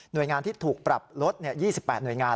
หน่วยงานที่ถูกปรับลดเนี่ย๒๘หน่วยงาน